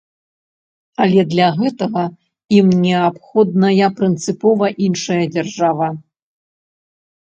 Але для гэтага ім неабходная прынцыпова іншая дзяржава.